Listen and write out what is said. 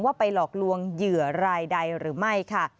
ไปหลอกลวงเหยื่อรายใดหรือไม่ค่ะ